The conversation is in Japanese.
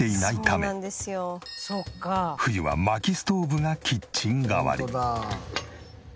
冬は薪ストーブがキッチン代わり。